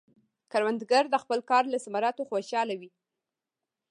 کروندګر د خپل کار له ثمراتو خوشحال وي